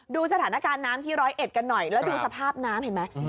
ดูสถานการณ์น้ำที่ร้อยเอ็ดกันหน่อยแล้วดูสภาพน้ำเห็นไหม